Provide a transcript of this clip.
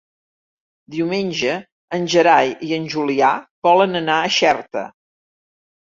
Diumenge en Gerai i en Julià volen anar a Xerta.